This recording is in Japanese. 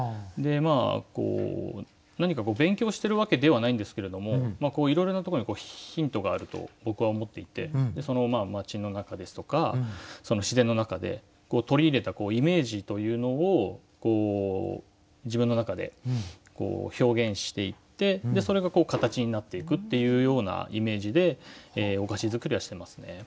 でまあ何か勉強してるわけではないんですけれどもいろいろなところにヒントがあると僕は思っていて街の中ですとか自然の中で取り入れたイメージというのをこう自分の中で表現していってそれがこう形になっていくっていうようなイメージでお菓子作りはしてますね。